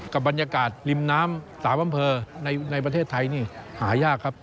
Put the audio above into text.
กับบรรยากาศริมน้ำ๓อำเภอในประเทศไทยนี่หายากครับ